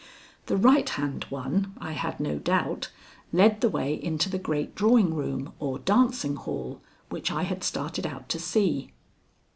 The right hand one, I had no doubt, led the way into the great drawing room or dancing hall which I had started out to see.